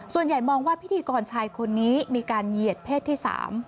ส่วนใหญ่มองว่าพิธีกรชายคนนี้มีการเหยียดเพศที่๓